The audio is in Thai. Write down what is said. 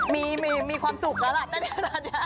มีมีความสุขนับล่ะเต้นท่าน